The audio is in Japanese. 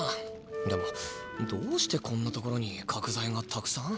でもどうしてこんなところに角ざいがたくさん？